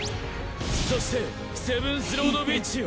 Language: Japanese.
そしてセブンスロード・ウィッチよ。